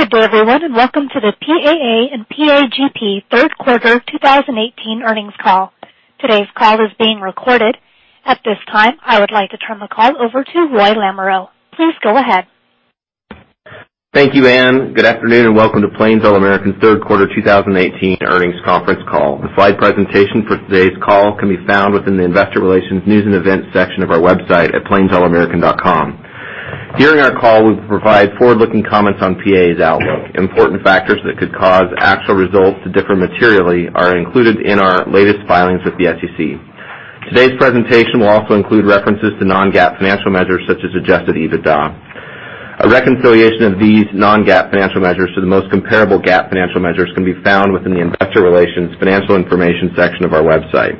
Good day everyone. Welcome to the PAA and PAGP third quarter 2018 earnings call. Today's call is being recorded. At this time, I would like to turn the call over to Roy Lamoreaux. Please go ahead. Thank you, Anne. Good afternoon. Welcome to Plains All American third quarter 2018 earnings conference call. The slide presentation for today's call can be found within the investor relations news and events section of our website at plainsallamerican.com. During our call, we will provide forward-looking comments on PAA's outlook. Important factors that could cause actual results to differ materially are included in our latest filings with the SEC. Today's presentation will also include references to non-GAAP financial measures such as adjusted EBITDA. A reconciliation of these non-GAAP financial measures to the most comparable GAAP financial measures can be found within the investor relations financial information section of our website.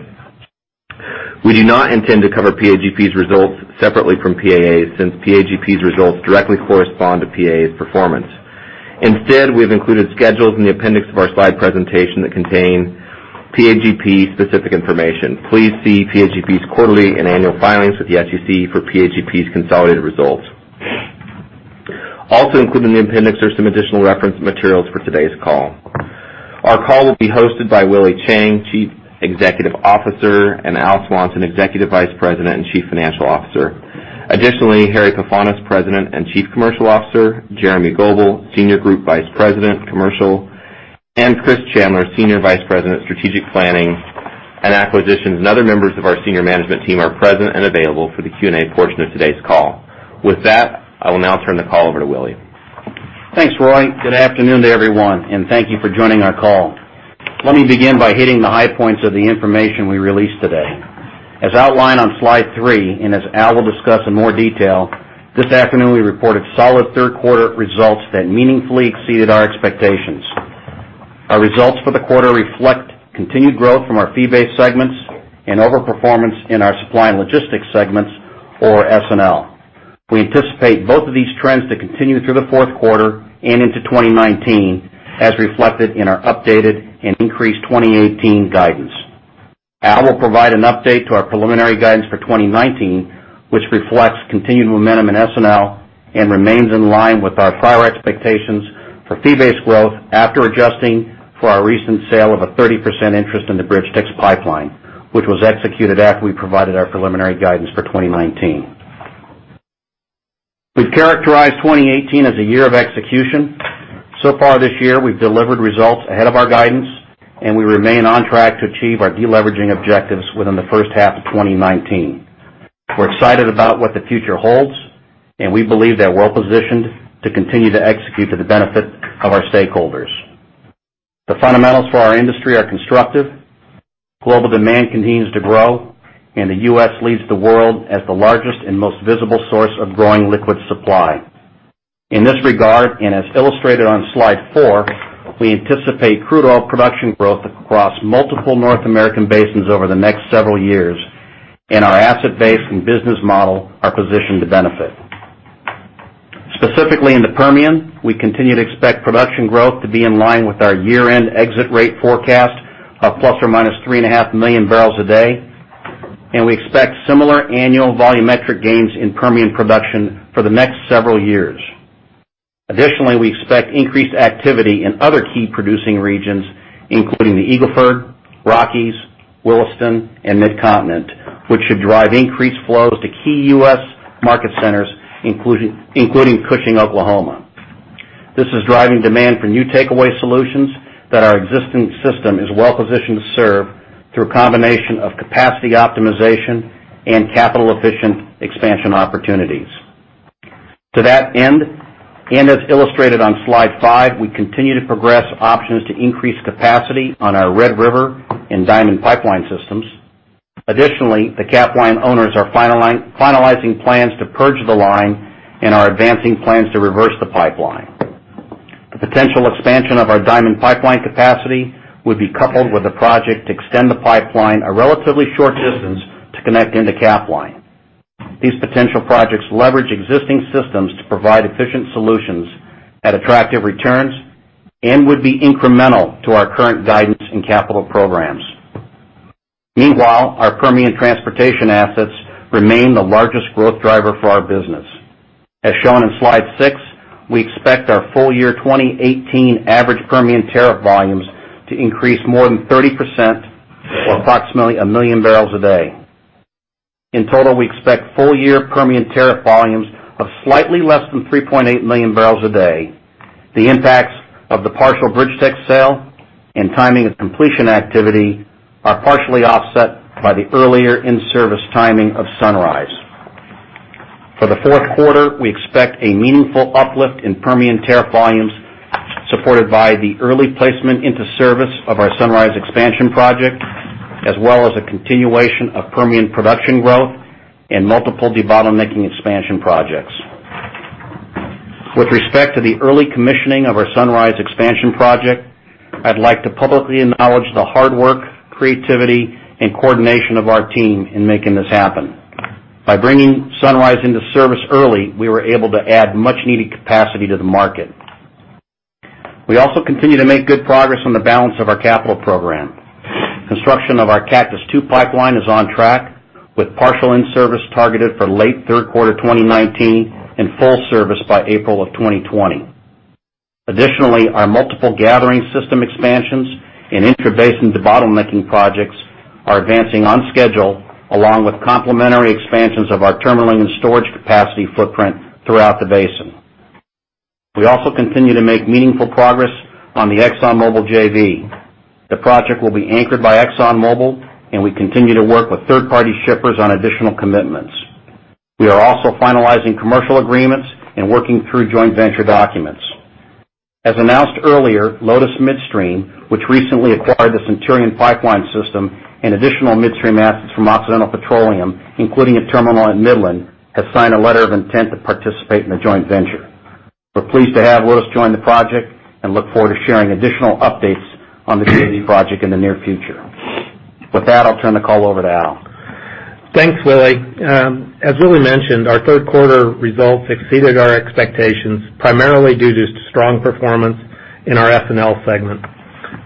We do not intend to cover PAGP's results separately from PAA's, since PAGP's results directly correspond to PAA's performance. Instead, we have included schedules in the appendix of our slide presentation that contain PAGP-specific information. Please see PAGP's quarterly and annual filings with the SEC for PAGP's consolidated results. Also included in the appendix are some additional reference materials for today's call. Our call will be hosted by Willie Chiang, Chief Executive Officer, and Al Swanson, Executive Vice President and Chief Financial Officer. Additionally, Harry Pefanis, President and Chief Commercial Officer, Jeremy Goebel, Senior Group Vice President, Commercial, and Chris Chandler, Senior Vice President, Strategic Planning and Acquisitions, and other members of our senior management team are present and available for the Q&A portion of today's call. I will now turn the call over to Willie. Thanks, Roy. Good afternoon to everyone. Thank you for joining our call. Let me begin by hitting the high points of the information we released today. As outlined on slide three, as Al will discuss in more detail, this afternoon we reported solid third quarter results that meaningfully exceeded our expectations. Our results for the quarter reflect continued growth from our fee-based segments and over-performance in our Supply & Logistics segments or S&L. We anticipate both of these trends to continue through the fourth quarter and into 2019, as reflected in our updated and increased 2018 guidance. Al will provide an update to our preliminary guidance for 2019, which reflects continued momentum in S&L and remains in line with our prior expectations for fee-based growth after adjusting for our recent sale of a 30% interest in the BridgeTex pipeline, which was executed after we provided our preliminary guidance for 2019. So far this year, we've delivered results ahead of our guidance, and we remain on track to achieve our de-leveraging objectives within the first half of 2019. We're excited about what the future holds, and we believe that we're well-positioned to continue to execute to the benefit of our stakeholders. The fundamentals for our industry are constructive. Global demand continues to grow, and the U.S. leads the world as the largest and most visible source of growing liquid supply. In this regard, as illustrated on slide four, we anticipate crude oil production growth across multiple North American basins over the next several years, and our asset base and business model are positioned to benefit. Specifically, in the Permian, we continue to expect production growth to be in line with our year-end exit rate forecast of ±3.5 million barrels a day, and we expect similar annual volumetric gains in Permian production for the next several years. Additionally, we expect increased activity in other key producing regions, including the Eagle Ford, Rockies, Williston, and Mid-Continent, which should drive increased flows to key U.S. market centers, including Cushing, Oklahoma. This is driving demand for new takeaway solutions that our existing system is well-positioned to serve through a combination of capacity optimization and capital-efficient expansion opportunities. To that end, as illustrated on slide five, we continue to progress options to increase capacity on our Red River and Diamond Pipeline systems. Additionally, the Capline owners are finalizing plans to purge the line and are advancing plans to reverse the pipeline. The potential expansion of our Diamond Pipeline capacity would be coupled with a project to extend the pipeline a relatively short distance to connect into Capline. These potential projects leverage existing systems to provide efficient solutions at attractive returns and would be incremental to our current guidance and capital programs. Meanwhile, our Permian transportation assets remain the largest growth driver for our business. As shown on slide six, we expect our full year 2018 average Permian tariff volumes to increase more than 30% or approximately 1 million barrels a day. In total, we expect full-year Permian tariff volumes of slightly less than 3.8 million barrels a day. The impacts of the partial BridgeTex sale and timing of completion activity are partially offset by the earlier in-service timing of Sunrise. For the fourth quarter, we expect a meaningful uplift in Permian tariff volumes supported by the early placement into service of our Sunrise expansion project, as well as a continuation of Permian production growth and multiple debottlenecking expansion projects. With respect to the early commissioning of our Sunrise expansion project, I'd like to publicly acknowledge the hard work, creativity, and coordination of our team in making this happen. By bringing Sunrise into service early, we were able to add much-needed capacity to the market. We also continue to make good progress on the balance of our capital program. Construction of our Cactus II Pipeline is on track with partial in-service targeted for late third quarter 2019 and full service by April of 2020. Additionally, our multiple gathering system expansions and intrabasin debottlenecking projects are advancing on schedule, along with complementary expansions of our terminalling and storage capacity footprint throughout the basin. We also continue to make meaningful progress on the ExxonMobil JV. The project will be anchored by ExxonMobil, and we continue to work with third-party shippers on additional commitments. We are also finalizing commercial agreements and working through joint venture documents. As announced earlier, Lotus Midstream, which recently acquired the Centurion Pipeline system and additional midstream assets from Occidental Petroleum, including a terminal in Midland, has signed a letter of intent to participate in the joint venture. We are pleased to have Lotus join the project and look forward to sharing additional updates on the JV project in the near future. With that, I will turn the call over to Al. Thanks, Willie. As Willie mentioned, our third quarter results exceeded our expectations, primarily due to strong performance in our S&L segment.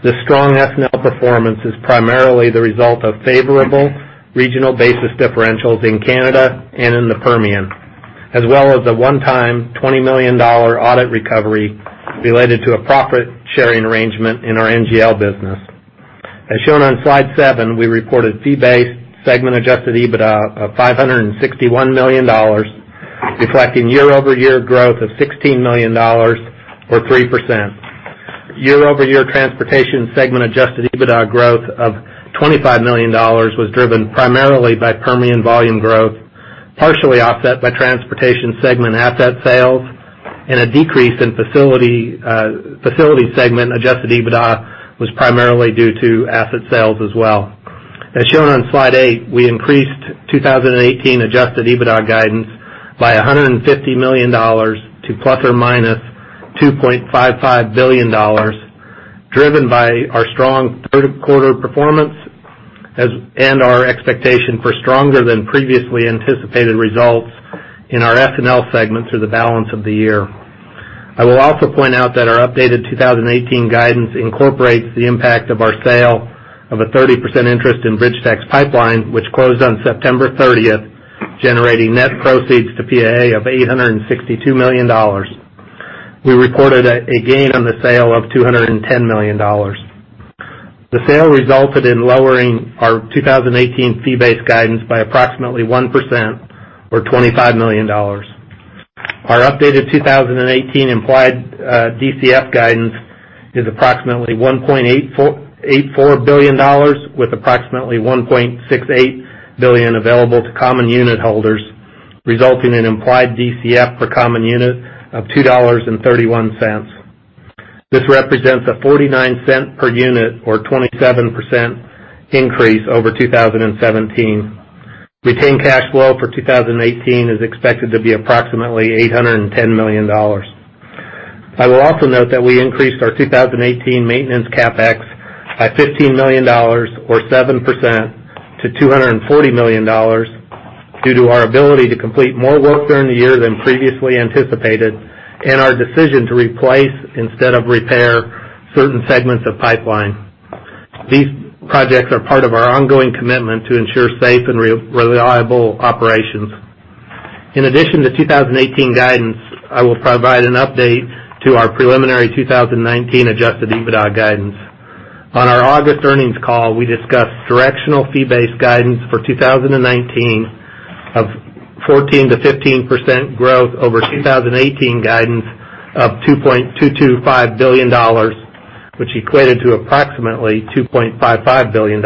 This strong S&L performance is primarily the result of favorable regional basis differentials in Canada and in the Permian, as well as a one-time $20 million audit recovery related to a profit-sharing arrangement in our NGL business. As shown on slide seven, we reported fee-based segment adjusted EBITDA of $561 million, reflecting year-over-year growth of $16 million, or 3%. Year-over-year transportation segment adjusted EBITDA growth of $25 million was driven primarily by Permian volume growth, partially offset by transportation segment asset sales. A decrease in facility segment adjusted EBITDA was primarily due to asset sales as well. As shown on slide eight, we increased 2018 adjusted EBITDA guidance by $150 million to ±$2.55 billion, driven by our strong third quarter performance and our expectation for stronger than previously anticipated results in our S&L segment through the balance of the year. I will also point out that our updated 2018 guidance incorporates the impact of our sale of a 30% interest in BridgeTex Pipeline, which closed on September 30th, generating net proceeds to PAA of $862 million. We reported a gain on the sale of $210 million. The sale resulted in lowering our 2018 fee-based guidance by approximately 1%, or $25 million. Our updated 2018 implied DCF guidance is approximately $1.84 billion, with approximately $1.68 billion available to common unit holders, resulting in implied DCF per common unit of $2.31. This represents a $0.49 per unit or 27% increase over 2017. Retained cash flow for 2018 is expected to be approximately $810 million. I will also note that we increased our 2018 maintenance CapEx by $15 million, or 7%, to $240 million due to our ability to complete more work during the year than previously anticipated and our decision to replace instead of repair certain segments of pipeline. These projects are part of our ongoing commitment to ensure safe and reliable operations. In addition to 2018 guidance, I will provide an update to our preliminary 2019 adjusted EBITDA guidance. On our August earnings call, we discussed directional fee-based guidance for 2019 of 14%-15% growth over 2018 guidance of $2.225 billion, which equated to approximately $2.55 billion.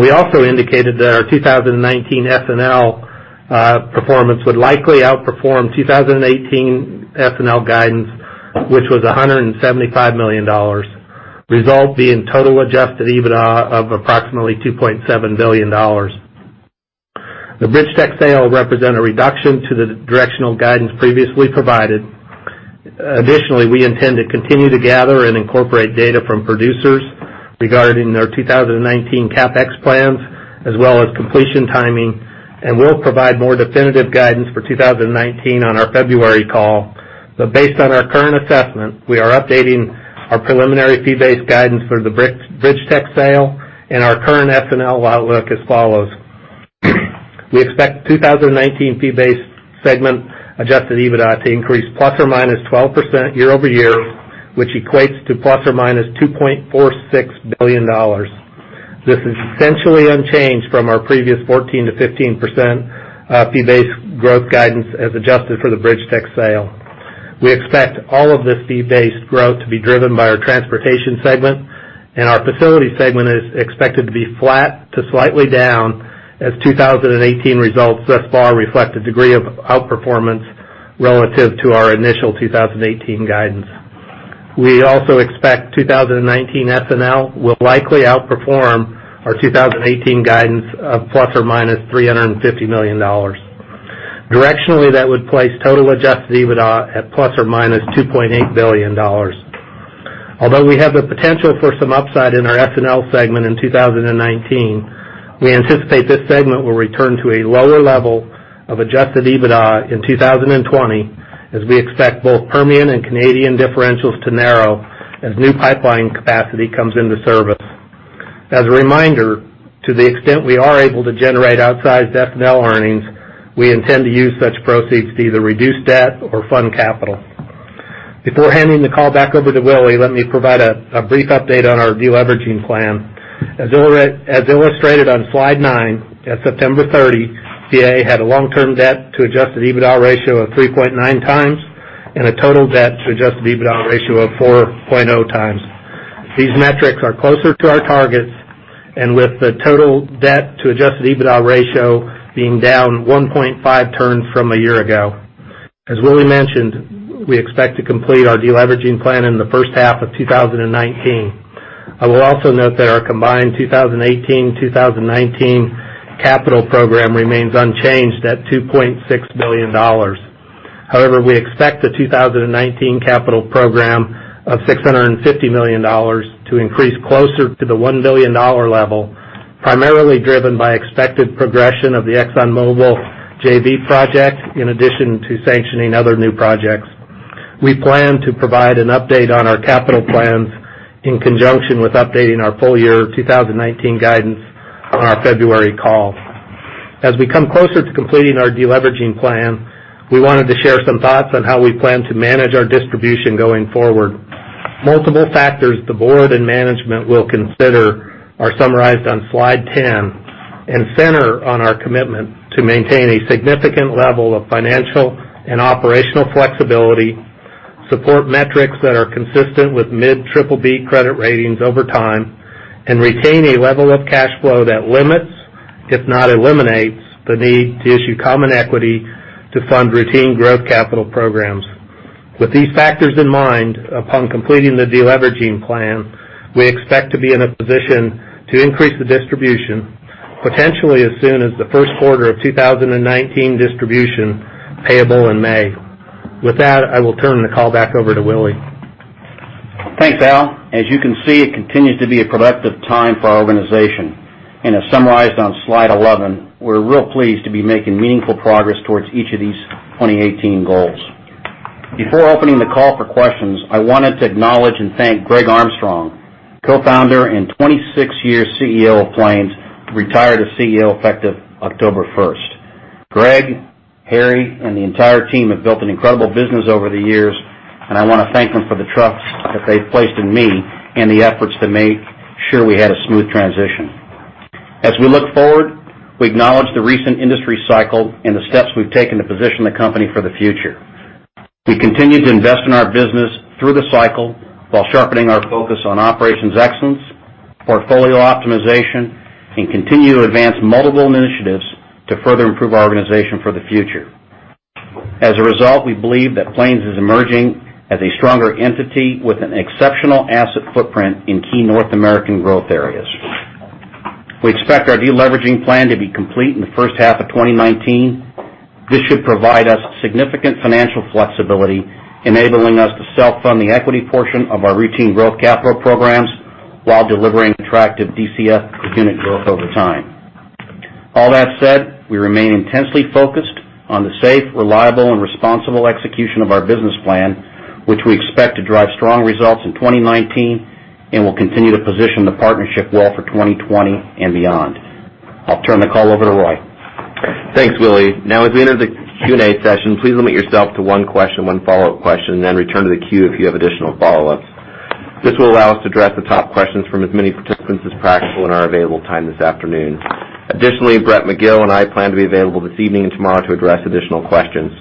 We also indicated that our 2019 S&L performance would likely outperform 2018 S&L guidance, which was $175 million, result being total adjusted EBITDA of approximately $2.7 billion. The BridgeTex sale will represent a reduction to the directional guidance previously provided. Additionally, we intend to continue to gather and incorporate data from producers regarding their 2019 CapEx plans, as well as completion timing, and we'll provide more definitive guidance for 2019 on our February call. Based on our current assessment, we are updating our preliminary fee-based guidance for the BridgeTex sale and our current S&L outlook as follows. We expect 2019 fee-based segment adjusted EBITDA to increase ±12% year-over-year, which equates to ±$2.46 billion. This is essentially unchanged from our previous 14%-15% fee-based growth guidance as adjusted for the BridgeTex sale. We expect all of this fee-based growth to be driven by our transportation segment. Our facility segment is expected to be flat to slightly down as 2018 results thus far reflect a degree of outperformance relative to our initial 2018 guidance. We also expect 2019 S&L will likely outperform our 2018 guidance of ±$350 million. Directionally, that would place total adjusted EBITDA at ±$2.8 billion. Although we have the potential for some upside in our S&L segment in 2019, we anticipate this segment will return to a lower level of adjusted EBITDA in 2020, as we expect both Permian and Canadian differentials to narrow as new pipeline capacity comes into service. As a reminder, to the extent we are able to generate outsized S&L earnings, we intend to use such proceeds to either reduce debt or fund capital. Before handing the call back over to Willie, let me provide a brief update on our de-leveraging plan. As illustrated on slide nine, at September 30, PAA had a long-term debt to adjusted EBITDA ratio of 3.9 times and a total debt to adjusted EBITDA ratio of 4.0 times. These metrics are closer to our targets, with the total debt to adjusted EBITDA ratio being down 1.5 turns from a year ago. As Willie mentioned, we expect to complete our de-leveraging plan in the first half of 2019. I will also note that our combined 2018-2019 capital program remains unchanged at $2.6 billion. We expect the 2019 capital program of $650 million to increase closer to the $1 billion level, primarily driven by expected progression of the ExxonMobil JV project, in addition to sanctioning other new projects. We plan to provide an update on our capital plans in conjunction with updating our full year 2019 guidance on our February call. As we come closer to completing our de-leveraging plan, we wanted to share some thoughts on how we plan to manage our distribution going forward. Multiple factors the board and management will consider are summarized on slide 10 and center on our commitment to maintain a significant level of financial and operational flexibility, support metrics that are consistent with mid BBB credit ratings over time, and retain a level of cash flow that limits, if not eliminates, the need to issue common equity to fund routine growth capital programs. With these factors in mind, upon completing the de-leveraging plan, we expect to be in a position to increase the distribution, potentially as soon as the first quarter of 2019 distribution payable in May. With that, I will turn the call back over to Willie. Thanks, Al. As you can see, it continues to be a productive time for our organization. As summarized on slide 11, we're real pleased to be making meaningful progress towards each of these 2018 goals. Before opening the call for questions, I wanted to acknowledge and thank Greg Armstrong, co-founder and 26-year CEO of Plains, who retired as CEO effective October 1st. Greg, Harry, and the entire team have built an incredible business over the years, and I want to thank them for the trust that they've placed in me and the efforts to make sure we had a smooth transition. As we look forward, we acknowledge the recent industry cycle and the steps we've taken to position the company for the future. We continue to invest in our business through the cycle while sharpening our focus on operations excellence, portfolio optimization, and continue to advance multiple initiatives to further improve our organization for the future. As a result, we believe that Plains is emerging as a stronger entity with an exceptional asset footprint in key North American growth areas. We expect our de-leveraging plan to be complete in the first half of 2019. This should provide us significant financial flexibility, enabling us to self-fund the equity portion of our routine growth capital programs while delivering attractive DCF per unit growth over time. All that said, we remain intensely focused on the safe, reliable, and responsible execution of our business plan, which we expect to drive strong results in 2019 and will continue to position the partnership well for 2020 and beyond. I'll turn the call over to Roy. Thanks, Willie. As we enter the Q&A session, please limit yourself to one question, one follow-up question, then return to the queue if you have additional follow-ups. This will allow us to address the top questions from as many participants as practical in our available time this afternoon. Additionally, Blake Fernandez and I plan to be available this evening and tomorrow to address additional questions.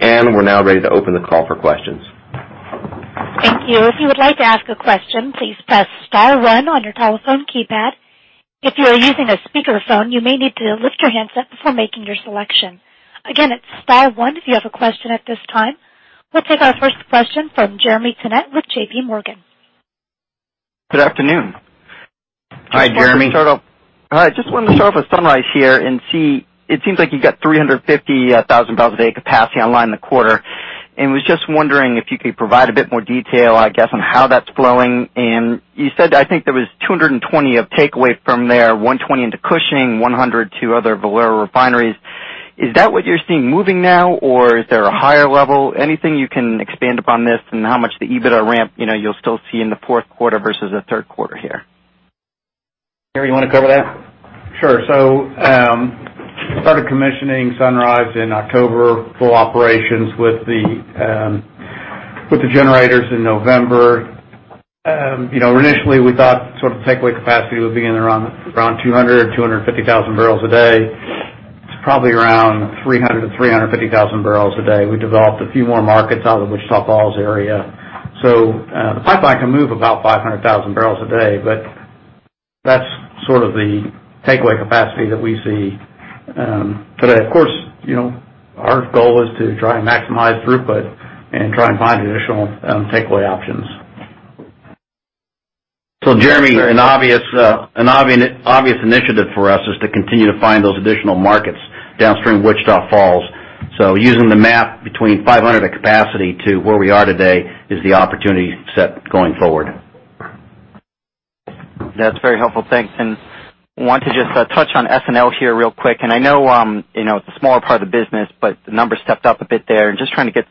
We're now ready to open the call for questions. Thank you. If you would like to ask a question, please press star one on your telephone keypad. If you are using a speakerphone, you may need to lift your handset before making your selection. Again, it's star one if you have a question at this time. We'll take our first question from Jeremy Tonet with JPMorgan. Good afternoon. Hi, Jeremy. Just wanted to start off with Sunrise here and see. It seems like you got 350,000 barrels a day capacity online in the quarter. Was just wondering if you could provide a bit more detail, I guess, on how that's flowing. You said, I think there was 220 of takeaway from there, 120 into Cushing, 100 to other Valero refineries. Is that what you're seeing moving now, or is there a higher level? Anything you can expand upon this and how much the EBITDA ramp, you'll still see in the fourth quarter versus the third quarter here? Harry, you want to cover that? Sure. Started commissioning Sunrise in October, full operations with the generators in November. Initially, we thought sort of the takeaway capacity would be in around 200, 250,000 barrels a day. It's probably around 300 to 350,000 barrels a day. We developed a few more markets out of the Wichita Falls area. The pipeline can move about 500,000 barrels a day, but that's sort of the takeaway capacity that we see today. Of course, our goal is to try and maximize throughput and try and find additional takeaway options. Jeremy, an obvious initiative for us is to continue to find those additional markets downstream of Wichita Falls. Using the map between 500 of capacity to where we are today is the opportunity set going forward. That's very helpful. Thanks. Wanted to just touch on S&L here real quick. I know it's a smaller part of the business, but the numbers stepped up a bit there, and just trying to get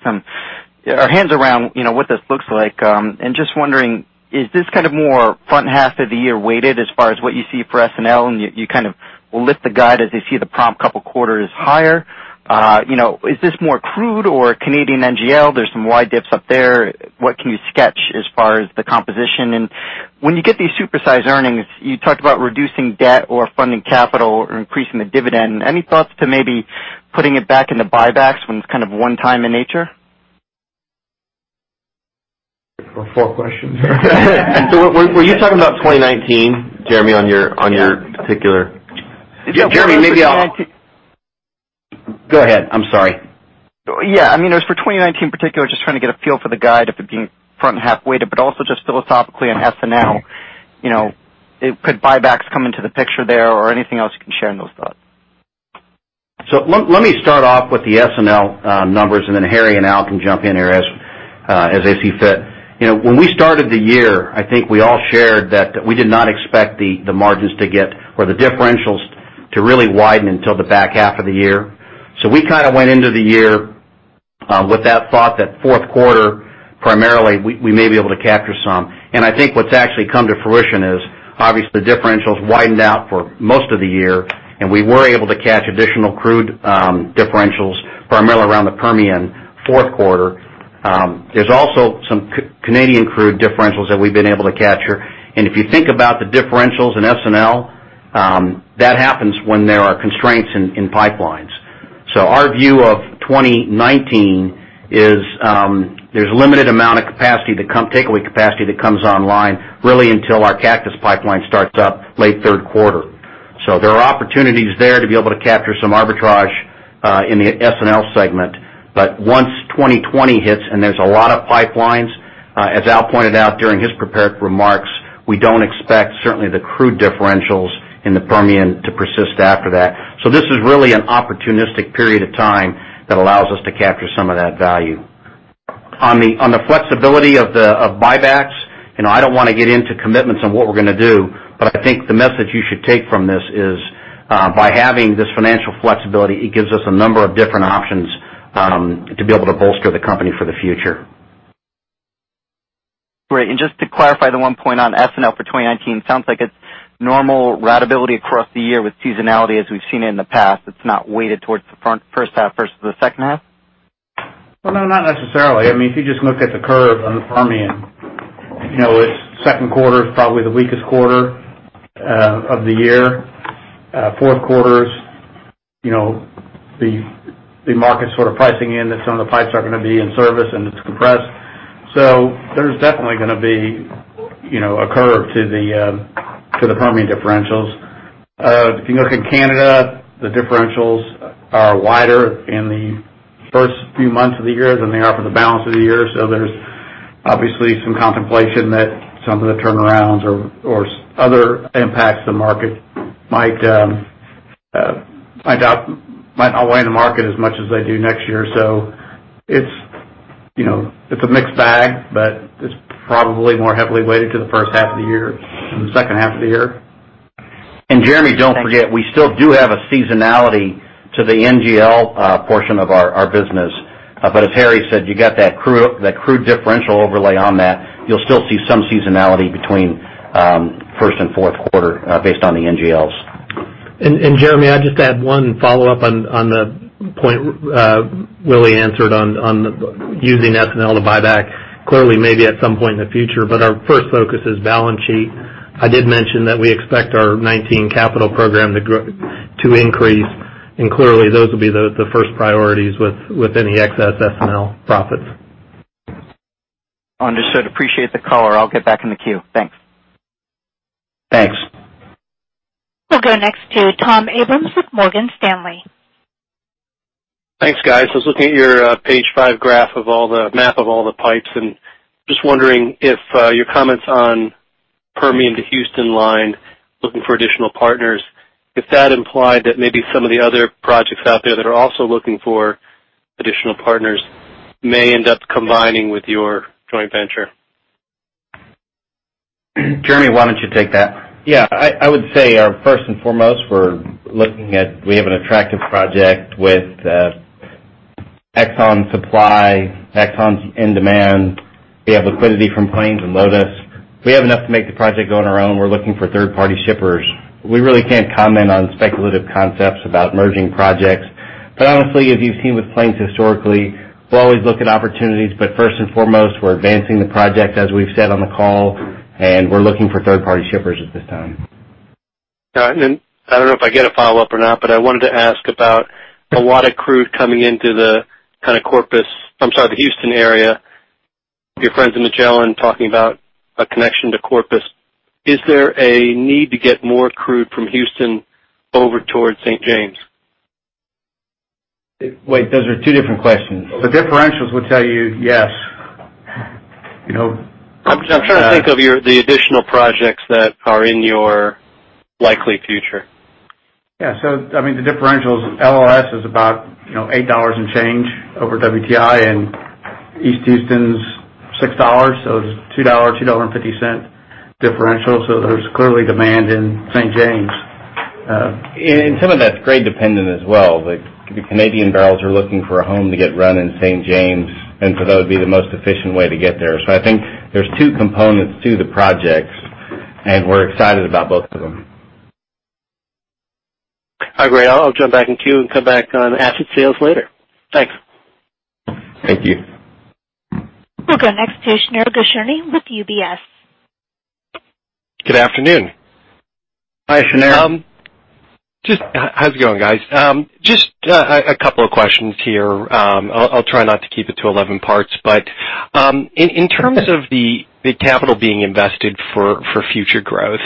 our heads around what this looks like. Just wondering, is this more front half of the year weighted as far as what you see for S&L, and you kind of lift the guide as you see the prompt couple quarters higher? Is this more crude or Canadian NGL? There's some wide dips up there. What can you sketch as far as the composition? When you get these super-sized earnings, you talked about reducing debt or funding capital or increasing the dividend. Any thoughts to maybe putting it back into buybacks when it's kind of one-time in nature? Four questions. Were you talking about 2019, Jeremy, on your particular. Yeah. Jeremy, maybe. Go ahead. I'm sorry. Yeah. It was for 2019 particular, just trying to get a feel for the guide, if it being front and half weighted, but also just philosophically on S&L. Could buybacks come into the picture there or anything else you can share on those thoughts? Let me start off with the S&L numbers, and then Harry and Al can jump in here as they see fit. When we started the year, I think we all shared that we did not expect the margins to get or the differentials to really widen until the back half of the year. We kind of went into the year with that thought, that fourth quarter, primarily, we may be able to capture some. I think what's actually come to fruition is, obviously, the differentials widened out for most of the year, and we were able to catch additional crude differentials, primarily around the Permian fourth quarter. There's also some Canadian crude differentials that we've been able to capture. If you think about the differentials in S&L, that happens when there are constraints in pipelines. Our view of 2019 is, there's limited amount of takeaway capacity that comes online, really until our Cactus Pipeline starts up late third quarter. There are opportunities there to be able to capture some arbitrage in the S&L segment. Once 2020 hits and there's a lot of pipelines, as Al pointed out during his prepared remarks, we don't expect certainly the crude differentials in the Permian to persist after that. This is really an opportunistic period of time that allows us to capture some of that value. On the flexibility of buybacks, I don't want to get into commitments on what we're going to do, but I think the message you should take from this is, by having this financial flexibility, it gives us a number of different options to be able to bolster the company for the future. Great. Just to clarify the one point on S&L for 2019, sounds like it's normal ratability across the year with seasonality as we've seen it in the past. It's not weighted towards the first half versus the second half? Well, no, not necessarily. If you just look at the curve on the Permian, its second quarter is probably the weakest quarter of the year. Fourth quarter is the market sort of pricing in that some of the pipes are going to be in service and it's compressed. There's definitely going to be a curve to the Permian differentials. If you look in Canada, the differentials are wider in the first few months of the year than they are for the balance of the year. There's obviously some contemplation that some of the turnarounds or other impacts to the market might not weigh in the market as much as they do next year. It's a mixed bag, but it's probably more heavily weighted to the first half of the year than the second half of the year. Jeremy, don't forget, we still do have a seasonality to the NGL portion of our business. As Harry said, you got that crude differential overlay on that. You'll still see some seasonality between first and fourth quarter based on the NGLs. Jeremy, I just add one follow-up on the point Willie answered on using S&L to buy back. Clearly, maybe at some point in the future, but our first focus is balance sheet. I did mention that we expect our 2019 capital program to increase, and clearly, those will be the first priorities with any excess S&L profits. Understood. Appreciate the color. I'll get back in the queue. Thanks. Thanks. We'll go next to Tom Abrams with Morgan Stanley. Thanks, guys. Just wondering if your comments on Permian to Houston line, looking for additional partners, if that implied that maybe some of the other projects out there that are also looking for additional partners may end up combining with your joint venture. Jeremy, why don't you take that? Yeah. I would say, first and foremost, we have an attractive project with Exxon supply, Exxon's in demand. We have liquidity from Plains and Lotus. We have enough to make the project go on our own. We're looking for third-party shippers. We really can't comment on speculative concepts about merging projects. Honestly, as you've seen with Plains historically, we always look at opportunities. First and foremost, we're advancing the project, as we've said on the call. We're looking for third-party shippers at this time. All right. I don't know if I get a follow-up or not, I wanted to ask about a lot of crude coming into the Houston area. Your friends in Magellan talking about a connection to Corpus. Is there a need to get more crude from Houston over towards St. James? Wait, those are two different questions. The differentials will tell you, yes. I'm trying to think of the additional projects that are in your likely future. Yeah. The differential is LLS is about $8 and change over WTI, and East Houston's $6. It's $2, $2.50 differential. There's clearly demand in St. James. Some of that's grade dependent as well. The Canadian barrels are looking for a home to get run in St. James. That would be the most efficient way to get there. I think there's two components to the projects, and we're excited about both of them. All right. I'll jump back in queue and come back on asset sales later. Thanks. Thank you. We'll go next to Shneur Gershuni with UBS. Good afternoon. Hi, Shneur. How's it going, guys? Just a couple of questions here. I'll try not to keep it to 11 parts, but in terms of the capital being invested for future growth,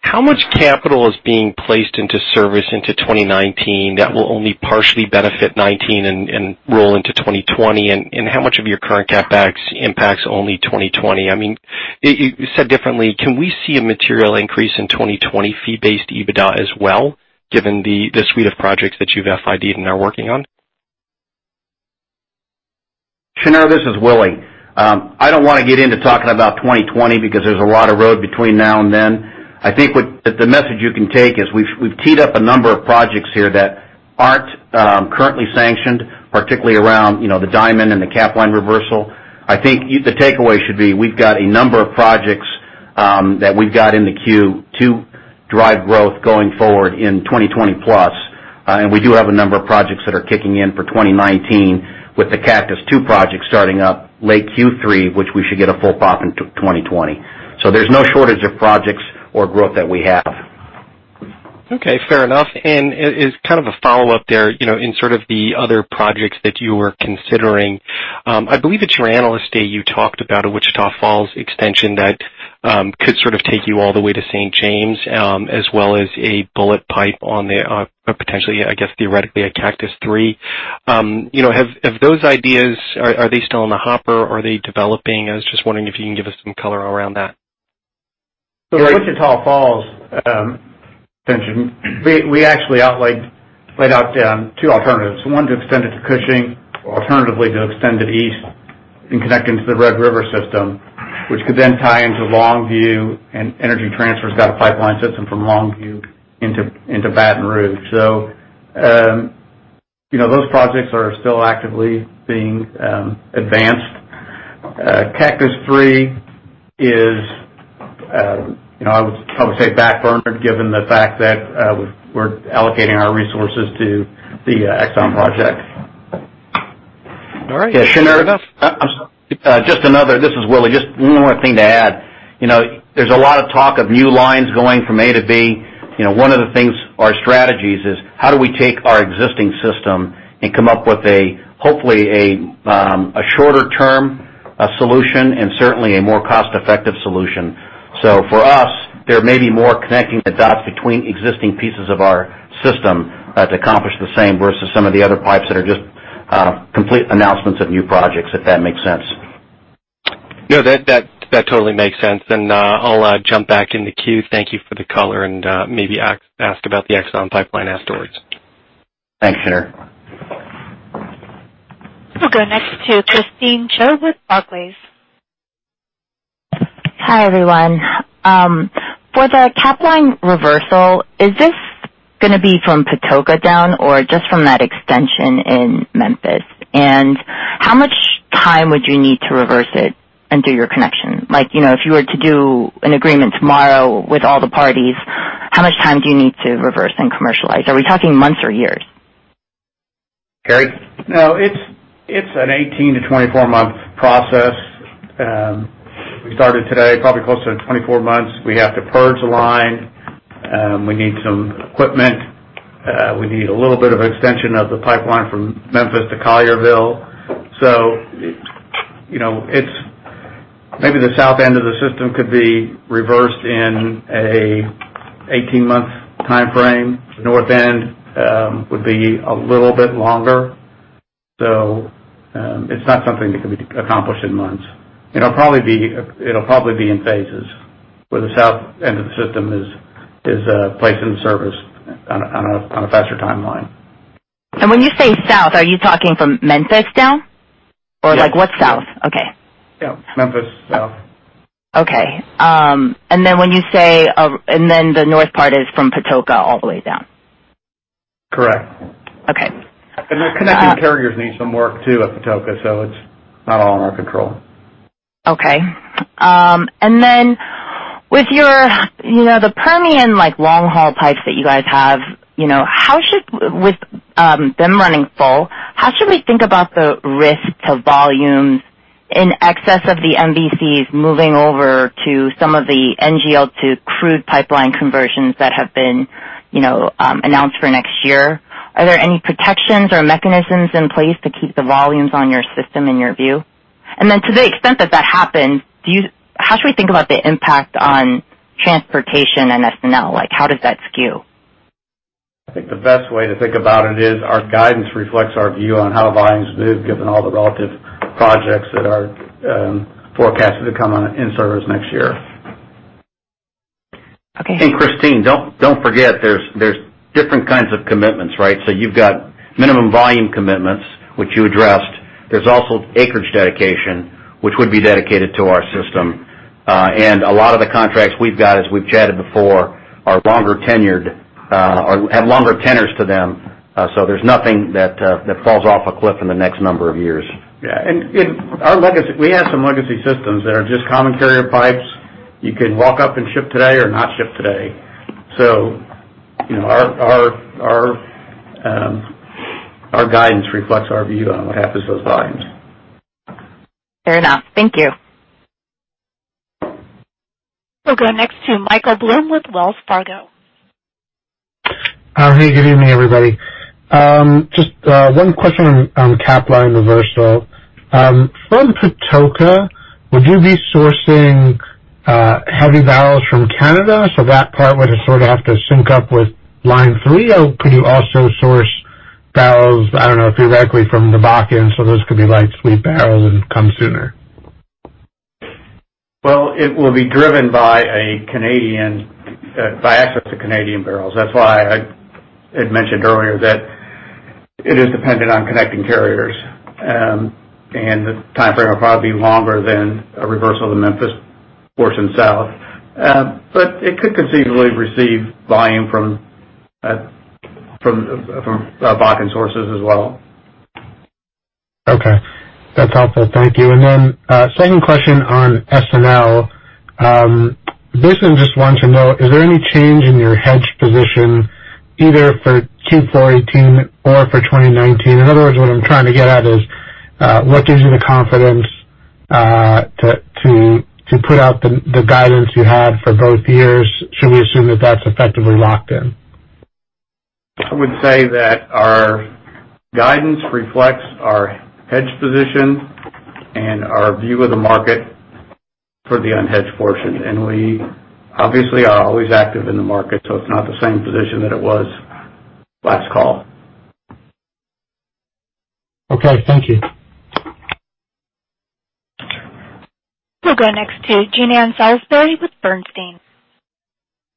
how much capital is being placed into service into 2019 that will only partially benefit 2019 and roll into 2020? And how much of your current CapEx impacts only 2020? Said differently, can we see a material increase in 2020 fee-based EBITDA as well, given the suite of projects that you've FID-ed and are working on? Shneur, this is Willie. I don't want to get into talking about 2020 because there's a lot of road between now and then. I think that the message you can take is we've teed up a number of projects here that aren't currently sanctioned, particularly around the Diamond and the Capline reversal. I think the takeaway should be we've got a number of projects that we've got in the queue to drive growth going forward in 2020 plus. We do have a number of projects that are kicking in for 2019 with the Cactus II project starting up late Q3, which we should get a full pop into 2020. There's no shortage of projects or growth that we have. Okay, fair enough. As kind of a follow-up there, in sort of the other projects that you were considering, I believe at your Analyst Day, you talked about a Wichita Falls extension that could sort of take you all the way to St. James, as well as a bullet pipe on a potentially, I guess, theoretically, a Cactus III. Have those ideas, are they still in the hopper? Are they developing? I was just wondering if you can give us some color around that. Wichita Falls extension, we actually laid out two alternatives. One, to extend it to Cushing, alternatively, to extend it east and connect into the Red River system, which could then tie into Longview, and Energy Transfer's got a pipeline system from Longview into Baton Rouge. Those projects are still actively being advanced. Cactus III is, I would say, back-burnered given the fact that we're allocating our resources to the Exxon project. All right. Fair enough. Willie Chiang. Just one more thing to add. There's a lot of talk of new lines going from A to B. One of the things, our strategies is how do we take our existing system and come up with a, hopefully, a shorter-term solution and certainly a more cost-effective solution. For us, there may be more connecting the dots between existing pieces of our system to accomplish the same versus some of the other pipes that are just complete announcements of new projects, if that makes sense. No, that totally makes sense, and I'll jump back in the queue. Thank you for the color and maybe ask about the Exxon pipeline afterwards. Thanks, Shneur. We'll go next to Christine Cho with Barclays. Hi, everyone. For the Capline reversal, is this going to be from Patoka down or just from that extension in Memphis? How much time would you need to reverse it and do your connection? If you were to do an agreement tomorrow with all the parties, how much time do you need to reverse and commercialize? Are we talking months or years? Harry? No, it's an 18- to 24-month process. We started today, probably closer to 24 months. We have to purge the line. We need some equipment. We need a little bit of extension of the pipeline from Memphis to Collierville. Maybe the south end of the system could be reversed in an 18-month timeframe. The north end would be a little bit longer. It's not something that can be accomplished in months. It'll probably be in phases, where the south end of the system is placed into service on a faster timeline. When you say south, are you talking from Memphis down? Yes. What's south? Okay. Yeah. Memphis, south. Okay. The north part is from Patoka all the way down? Correct. Okay. The connecting carriers need some work, too, at Patoka, it's not all in our control. Okay. With the Permian long-haul pipes that you guys have, with them running full, how should we think about the risk to volumes in excess of the MVCs moving over to some of the NGL to crude pipeline conversions that have been announced for next year? Are there any protections or mechanisms in place to keep the volumes on your system, in your view? To the extent that that happens, how should we think about the impact on transportation and S&L? How does that skew? I think the best way to think about it is our guidance reflects our view on how volumes move given all the relative projects that are forecasted to come in service next year. Okay. Christine, don't forget, there's different kinds of commitments, right? You've got Minimum Volume Commitments, which you addressed. There's also acreage dedication, which would be dedicated to our system. A lot of the contracts we've got, as we've chatted before, are longer tenured, or have longer tenors to them, so there's nothing that falls off a cliff in the next number of years. Yeah. We have some legacy systems that are just common carrier pipes. You can walk up and ship today or not ship today. Our guidance reflects our view on what happens to those volumes. Fair enough. Thank you. We'll go next to Michael Blum with Wells Fargo. Hey, good evening, everybody. Just one question on Capline reversal. From Patoka, would you be sourcing heavy barrels from Canada so that part would sort of have to sync up with Line 3? Could you also source barrels, I don't know, directly from the Bakken, so those could be light sweet barrels and come sooner? Well, it will be driven by access to Canadian barrels. That's why I had mentioned earlier that it is dependent on connecting carriers. The timeframe will probably be longer than a reversal of the Memphis portion south. It could conceivably receive volume from Bakken sources as well. Okay. That's helpful. Thank you. Then, second question on S&L. Basically, just want to know, is there any change in your hedge position either for Q4 2018 or for 2019? In other words, what I'm trying to get at is, what gives you the confidence to put out the guidance you have for both years? Should we assume that that's effectively locked in? I would say that our guidance reflects our hedge position and our view of the market for the unhedged portion, we obviously are always active in the market, it's not the same position that it was last call. Okay, thank you. We'll go next to Jean Ann Salisbury with Bernstein.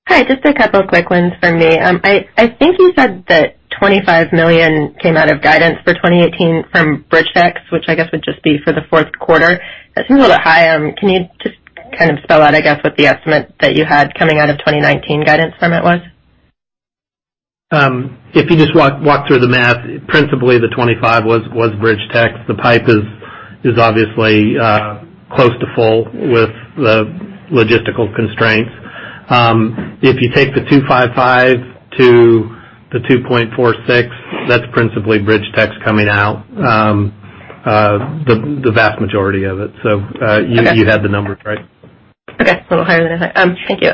Hi, just a couple quick ones for me. I think you said that $25 million came out of guidance for 2018 from BridgeTex, which I guess would just be for the fourth quarter. That seems a little bit high. Can you just kind of spell out, I guess, what the estimate that you had coming out of 2019 guidance from it was? You just walk through the math, principally the 25 was BridgeTex. The pipe is obviously close to full with the logistical constraints. You take the 2.55 to the 2.46, that's principally BridgeTex coming out, the vast majority of it. Okay. You had the numbers right. Okay. Little higher than I thought. Thank you.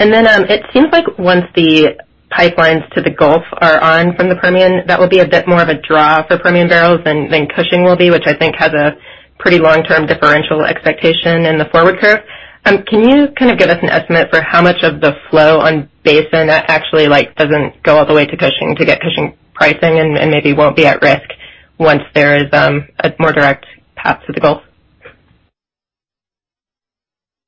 It seems like once the pipelines to the Gulf are on from the Permian, that will be a bit more of a draw for Permian barrels than Cushing will be, which I think has a pretty long-term differential expectation in the forward curve. Can you kind of give us an estimate for how much of the flow on basin actually doesn't go all the way to Cushing to get Cushing pricing and maybe won't be at risk once there is a more direct path to the Gulf?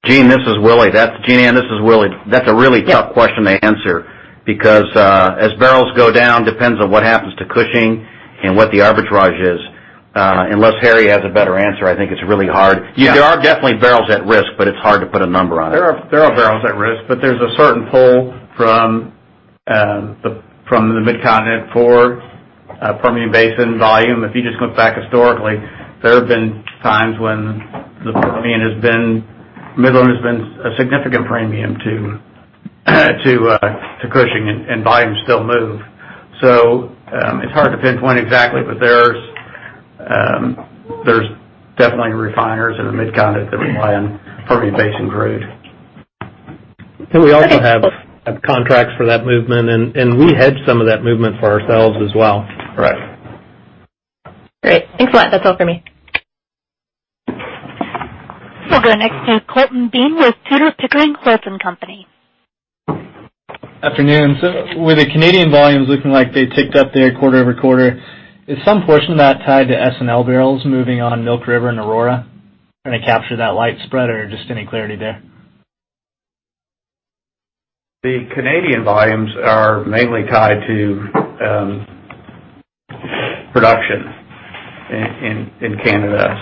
Jean, this is Willie. Jeannie, this is Willie. That's a really tough question to answer because as barrels go down, depends on what happens to Cushing and what the arbitrage is. Unless Harry has a better answer, I think it's really hard. Yeah. There are definitely barrels at risk, but it's hard to put a number on it. There are barrels at risk, but there's a certain pull from the Mid-Continent for Permian Basin volume. If you just look back historically, there have been times when the Permian has been Midland has been a significant premium to Cushing, and volumes still move. It's hard to pinpoint exactly, but there's definitely refiners in the Mid-Continent that rely on Permian Basin crude. We also have contracts for that movement, and we hedge some of that movement for ourselves as well. Right. Great. Thanks a lot. That's all for me. We'll go next to Colton Bean with Tudor, Pickering, Holt & Co. Afternoon. With the Canadian volumes looking like they ticked up there quarter-over-quarter, is some portion of that tied to S&L barrels moving on Milk River and Aurora? Trying to capture that light spread or just any clarity there? The Canadian volumes are mainly tied to production in Canada.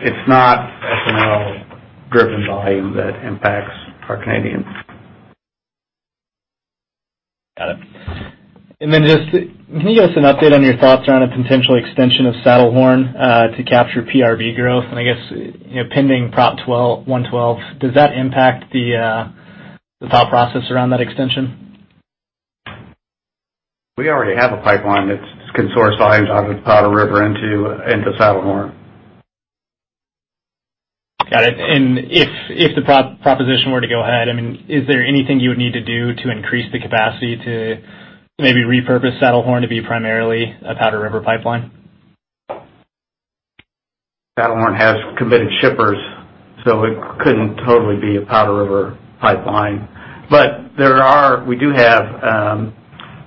It's not S&L-driven volume that impacts our Canadians. Got it. Just can you give us an update on your thoughts around a potential extension of Saddlehorn, to capture PRB growth? I guess pending Prop 112, does that impact the thought process around that extension? We already have a pipeline that can source volumes out of Powder River into Saddlehorn. If the Proposition were to go ahead, is there anything you would need to do to increase the capacity to maybe repurpose Saddlehorn to be primarily a Powder River pipeline? Saddlehorn has committed shippers, so it couldn't totally be a Powder River pipeline. We do have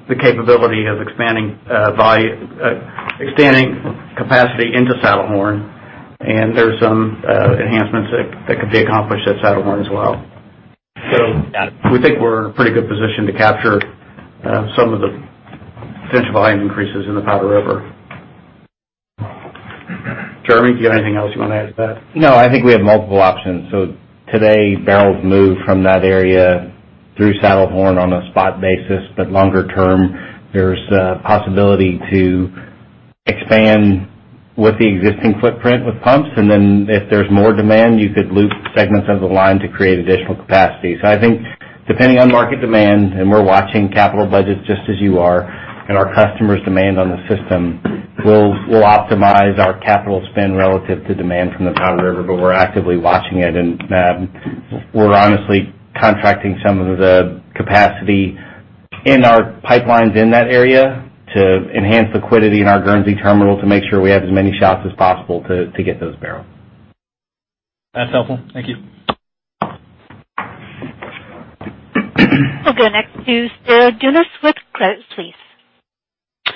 the capability of expanding capacity into Saddlehorn, and there's some enhancements that could be accomplished at Saddlehorn as well. Got it. We think we're in a pretty good position to capture some of the potential volume increases in the Powder River. Jeremy, do you have anything else you want to add to that? No, I think we have multiple options. Today, barrels move from that area through Saddlehorn on a spot basis. Longer term, there's a possibility to expand with the existing footprint with pumps, and then if there's more demand, you could loop segments of the line to create additional capacity. I think depending on market demand, and we're watching capital budgets just as you are, and our customers' demand on the system, we'll optimize our capital spend relative to demand from the Powder River. We're actively watching it, and we're honestly contracting some of the capacity in our pipelines in that area to enhance liquidity in our Guernsey terminal to make sure we have as many shots as possible to get those barrels. That's helpful. Thank you. We'll go next to Spiro Dounis with Credit Suisse.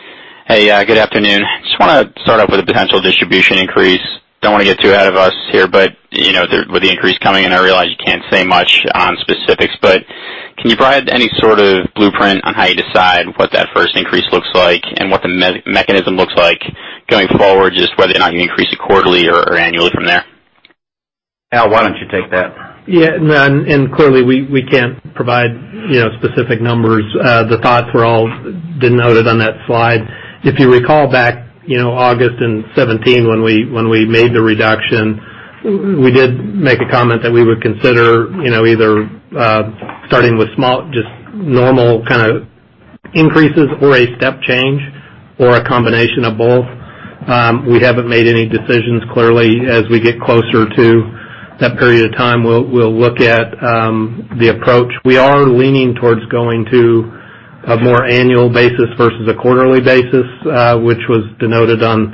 Hey, good afternoon. Just want to start off with a potential distribution increase. I realize you can't say much on specifics, can you provide any sort of blueprint on how you decide what that first increase looks like, and what the mechanism looks like going forward? Just whether or not you increase it quarterly or annually from there. Al, why don't you take that? Yeah. Clearly, we can't provide specific numbers. The thoughts were all denoted on that slide. If you recall back, August in 2017, when we made the reduction, we did make a comment that we would consider either starting with small, just normal kind of increases or a step change or a combination of both. We haven't made any decisions, clearly. As we get closer to that period of time, we'll look at the approach. We are leaning towards going to a more annual basis versus a quarterly basis, which was denoted on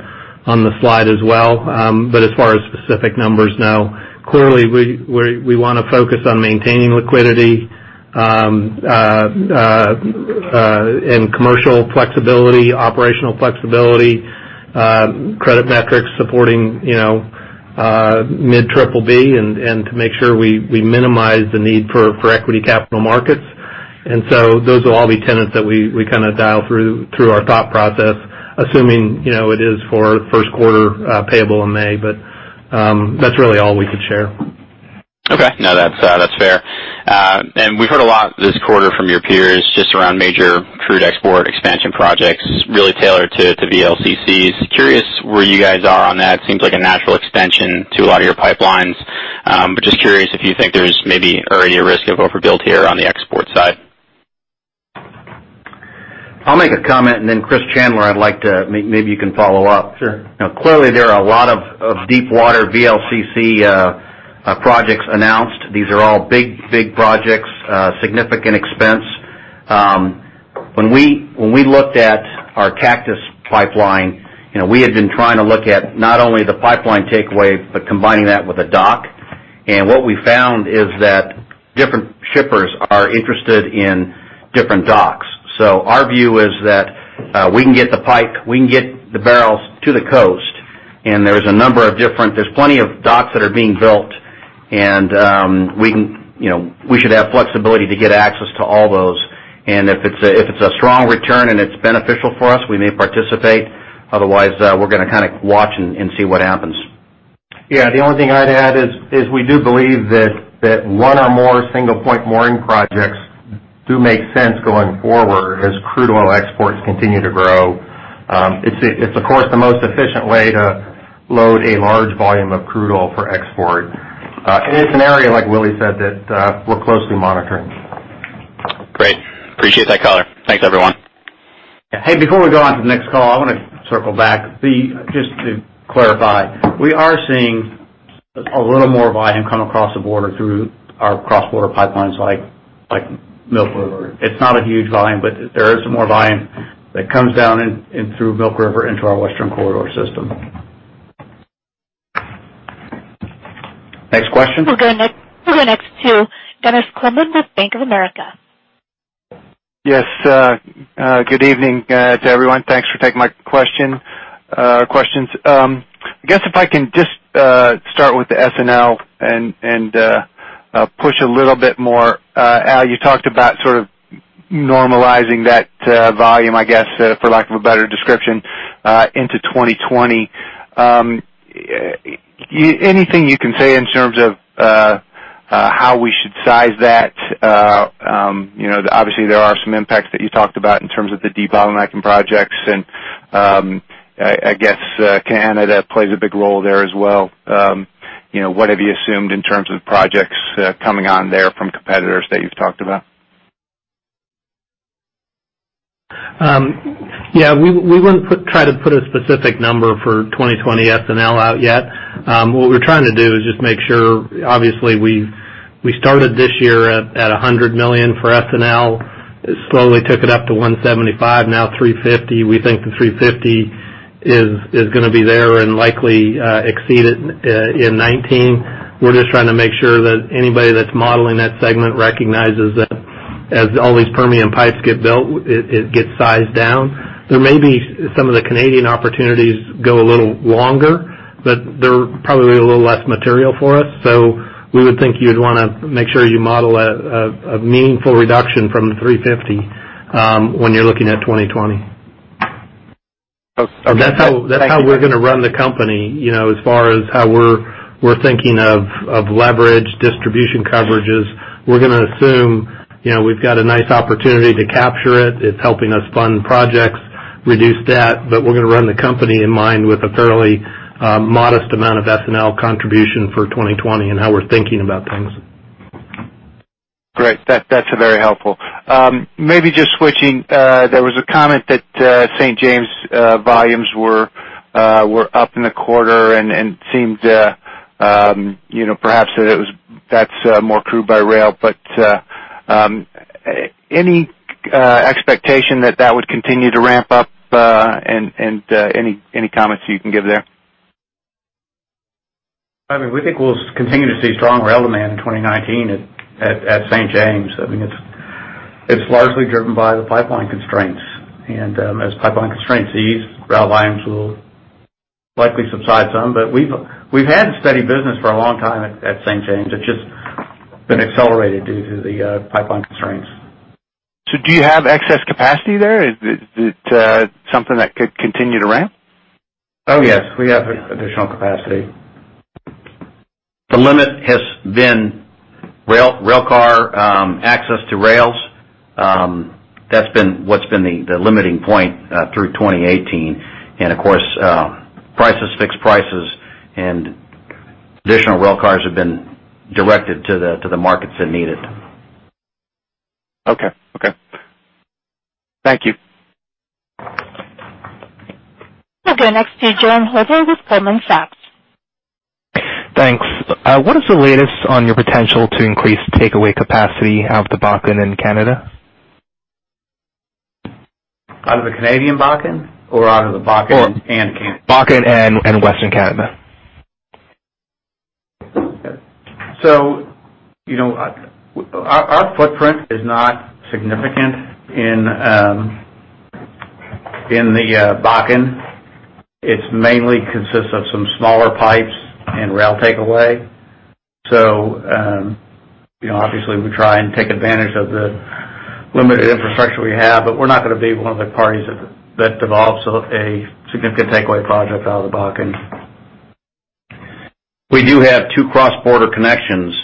the slide as well. As far as specific numbers, no. Clearly, we want to focus on maintaining liquidity and commercial flexibility, operational flexibility, credit metrics supporting mid BBB, and to make sure we minimize the need for equity capital markets. Those will all be tenets that we kind of dial through our thought process, assuming it is for first quarter payable in May. That's really all we could share. Okay. No, that's fair. We've heard a lot this quarter from your peers just around major crude export expansion projects really tailored to VLCCs. Curious where you guys are on that. Seems like a natural extension to a lot of your pipelines. Just curious if you think there's maybe already a risk of overbuild here on the export side. I'll make a comment, then Chris Chandler, maybe you can follow up. Sure. Clearly there are a lot of deep water VLCC projects announced. These are all big projects, significant expense. When we looked at our Cactus Pipeline, we had been trying to look at not only the pipeline takeaway, but combining that with a dock. What we found is that different shippers are interested in different docks. Our view is that we can get the pipe, we can get the barrels to the coast, there's plenty of docks that are being built, we should have flexibility to get access to all those. If it's a strong return and it's beneficial for us, we may participate. Otherwise, we're going to kind of watch and see what happens. The only thing I'd add is we do believe that one or more single-point mooring projects do make sense going forward as crude oil exports continue to grow. It's, of course, the most efficient way to load a large volume of crude oil for export. It's an area, like Willie said, that we're closely monitoring. Great. Appreciate that color. Thanks, everyone. Hey, before we go on to the next call, I want to circle back. Just to clarify, we are seeing a little more volume come across the border through our cross-border pipelines like Milk River. It's not a huge volume, but there is some more volume that comes down in through Milk River into our Western Corridor system. Next question. We'll go next to Dennis Coleman with Bank of America. Yes. Good evening to everyone. Thanks for taking my questions. I guess if I can just start with the S&L and push a little bit more. Al, you talked about sort of normalizing that volume, I guess, for lack of a better description, into 2020. Anything you can say in terms of how we should size that? Obviously, there are some impacts that you talked about in terms of the debottlenecking projects, and I guess Canada plays a big role there as well. What have you assumed in terms of projects coming on there from competitors that you've talked about? Yeah. We wouldn't try to put a specific number for 2020 S&L out yet. What we're trying to do is just make sure. Obviously, we started this year at $100 million for S&L. Slowly took it up to $175, now $350. We think the $350 is going to be there and likely exceeded in 2019. We're just trying to make sure that anybody that's modeling that segment recognizes that as all these Permian pipes get built, it gets sized down. There may be some of the Canadian opportunities go a little longer, but they're probably a little less material for us. We would think you'd want to make sure you model a meaningful reduction from the $350 when you're looking at 2020. Okay. That's how we're going to run the company as far as how we're thinking of leverage distribution coverages. We're going to assume we've got a nice opportunity to capture it. It's helping us fund projects, reduce debt. We're going to run the company in mind with a fairly modest amount of S&L contribution for 2020 and how we're thinking about things. Great. That's very helpful. Maybe just switching, there was a comment that St. James volumes were up in the quarter and it seemed perhaps that's more crude by rail. Any expectation that that would continue to ramp up, and any comments you can give there? I mean, we think we'll continue to see strong rail demand in 2019 at St. James. I mean, it's largely driven by the pipeline constraints. As pipeline constraints ease, rail volumes will likely subside some. We've had steady business for a long time at St. James. It's just been accelerated due to the pipeline constraints. Do you have excess capacity there? Is it something that could continue to ramp? Oh, yes. We have additional capacity. The limit has been railcar access to rails. That's been what's been the limiting point through 2018. Of course, prices, fixed prices, and additional railcars have been directed to the markets that need it. Okay. Thank you. We'll go next to Jerren Hutter with Goldman Sachs. Thanks. What is the latest on your potential to increase takeaway capacity out of the Bakken in Canada? Out of the Canadian Bakken or out of the Bakken and Canada? Bakken and Western Canada. Our footprint is not significant in the Bakken. It mainly consists of some smaller pipes and rail takeaway. Obviously, we try and take advantage of the limited infrastructure we have, but we're not going to be one of the parties that develops a significant takeaway project out of the Bakken. We do have two cross-border connections,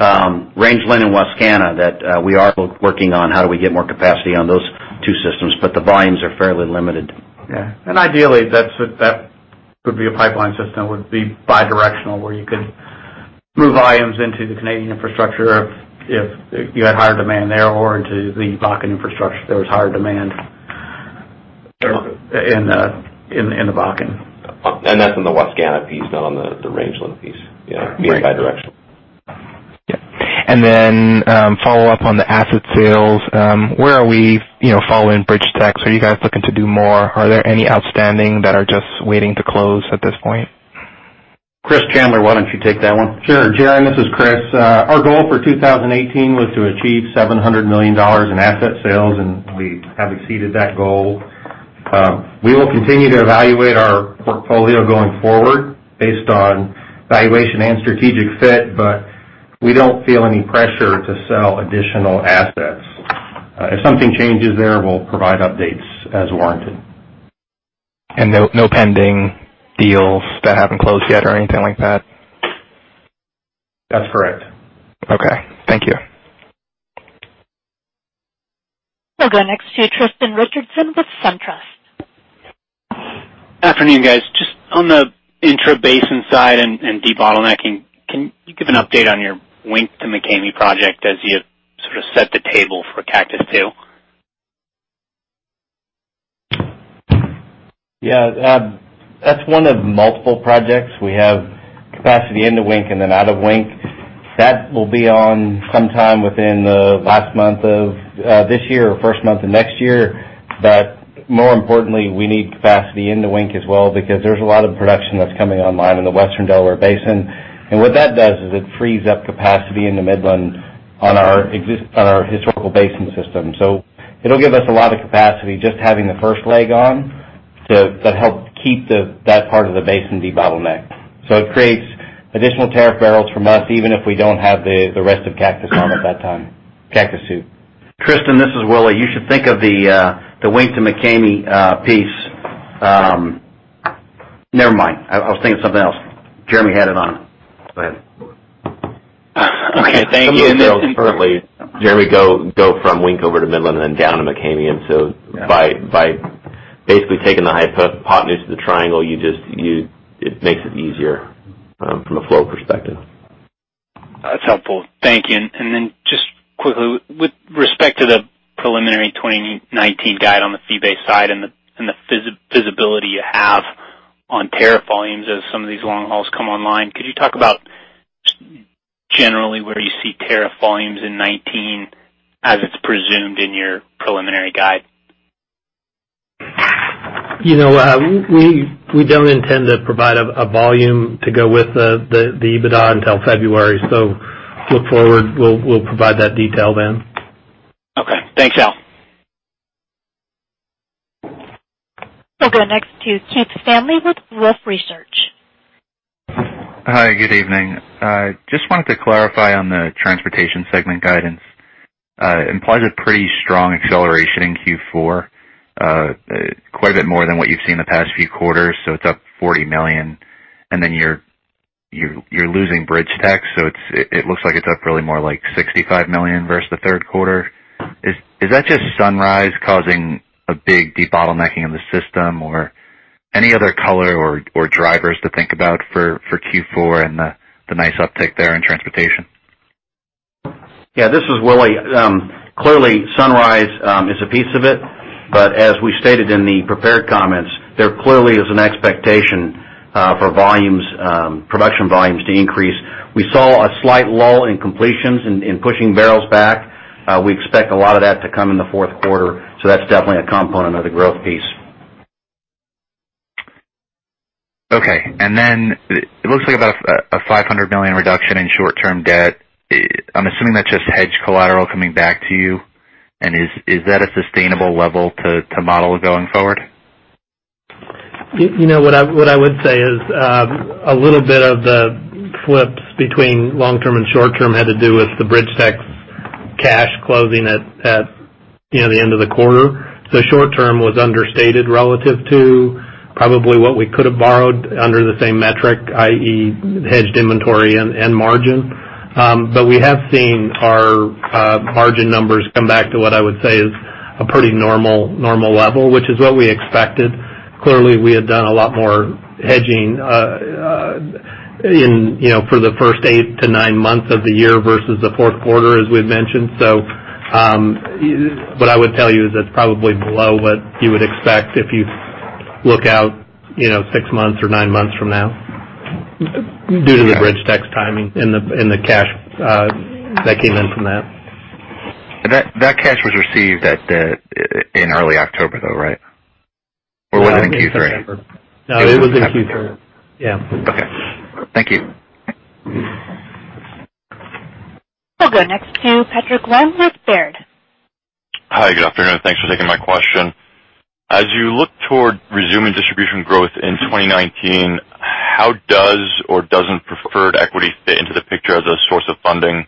Rangeland and Wascana, that we are both working on how do we get more capacity on those two systems, but the volumes are fairly limited. Yeah. Ideally, that would be a pipeline system would be bi-directional where you could move volumes into the Canadian infrastructure if you had higher demand there or into the Bakken infrastructure if there was higher demand in the Bakken. That's in the Wascana piece, not on the Rangeland piece. Right. Being bi-directional. Then, follow-up on the asset sales. Where are we following BridgeTex? Are you guys looking to do more? Are there any outstanding that are just waiting to close at this point? Chris Chandler, why don't you take that one? Sure. Jerren, this is Chris. Our goal for 2018 was to achieve $700 million in asset sales. We have exceeded that goal. We will continue to evaluate our portfolio going forward based on valuation and strategic fit. We don't feel any pressure to sell additional assets. If something changes there, we'll provide updates as warranted. No pending deals that haven't closed yet or anything like that? That's correct. Okay. Thank you. We'll go next to Tristan Richardson with SunTrust. Afternoon, guys. Just on the intrabasin side and de-bottlenecking, can you give an update on your Wink to McCamey project as you sort of set the table for Cactus II? Yeah. That's one of multiple projects. We have capacity into Wink and then out of Wink. That will be on sometime within the last month of this year or first month of next year. More importantly, we need capacity in the Wink as well because there's a lot of production that's coming online in the Western Delaware Basin. What that does is it frees up capacity in Midland on our historical basin system. It'll give us a lot of capacity just having the first leg on to help keep that part of the basin de-bottlenecked. It creates additional tariff barrels for months, even if we don't have the rest of Cactus on at that time, Cactus II. Tristan, this is Willie. You should think of the Wink to McCamey. I was thinking of something else. Jeremy had it on. Go ahead. Okay. Thank you. Jeremy, go from Wink over to Midland and then down to McCamey. By basically taking the hypotenuse of the triangle, it makes it easier from a flow perspective. That's helpful. Thank you. Just quickly, with respect to the preliminary 2019 guide on the fee-based side and the visibility you have on tariff volumes as some of these long hauls come online, could you talk about generally where you see tariff volumes in 2019 as it's presumed in your preliminary guide? We don't intend to provide a volume to go with the EBITDA until February, look forward, we'll provide that detail then. Okay. Thanks, Al. We'll go next to Keith Stanley with Wolfe Research. Hi, good evening. Just wanted to clarify on the transportation segment guidance. Implies a pretty strong acceleration in Q4, quite a bit more than what you've seen the past few quarters. It's up $40 million, then you're losing BridgeTex, so it looks like it's up really more like $65 million versus the third quarter. Is that just Sunrise causing a big debottlenecking in the system or any other color or drivers to think about for Q4 and the nice uptick there in transportation? Yeah, this is Willie. Clearly, Sunrise is a piece of it, but as we stated in the prepared comments, there clearly is an expectation for production volumes to increase. We saw a slight lull in completions in pushing barrels back. We expect a lot of that to come in the fourth quarter, that's definitely a component of the growth piece. Okay. It looks like about a $500 million reduction in short-term debt. I'm assuming that's just hedge collateral coming back to you. Is that a sustainable level to model going forward? What I would say is a little bit of the flips between long-term and short-term had to do with the BridgeTex cash closing at the end of the quarter. Short-term was understated relative to probably what we could have borrowed under the same metric, i.e., hedged inventory and margin. We have seen our margin numbers come back to what I would say is a pretty normal level, which is what we expected. Clearly, we had done a lot more hedging for the first eight to nine months of the year versus the fourth quarter, as we've mentioned. What I would tell you is it's probably below what you would expect if you look out six months or nine months from now due to the BridgeTex timing and the cash that came in from that. That cash was received in early October, though, right? Was it in Q3? No, it was in Q3. Yeah. Okay. Thank you. We'll go next to Patrick Glenn with Baird. Hi, good afternoon. Thanks for taking my question. As you look toward resuming distribution growth in 2019, how does or doesn't preferred equity fit into the picture as a source of funding?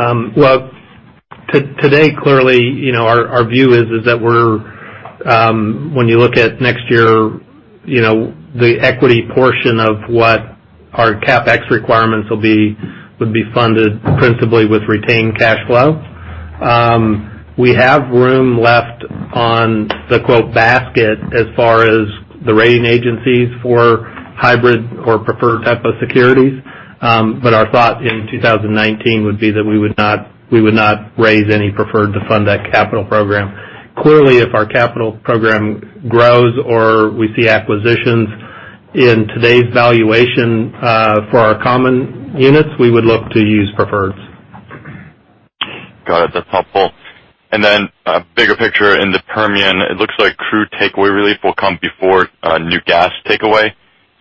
Well, today, clearly, our view is that when you look at next year, the equity portion of what our CapEx requirements will be would be funded principally with retained cash flow. We have room left on the "basket" as far as the rating agencies for hybrid or preferred type of securities. Our thought in 2019 would be that we would not raise any preferred to fund that capital program. Clearly, if our capital program grows or we see acquisitions in today's valuation for our common units, we would look to use preferreds. Got it. That's helpful. A bigger picture in the Permian, it looks like crude takeaway relief will come before new gas takeaway.